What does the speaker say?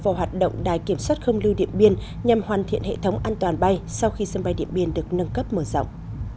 vào hoạt động đài kiểm soát không lưu điện biên nhằm hoàn thiện hệ thống an toàn bay sau khi sân bay điện biên được nâng cấp mở rộng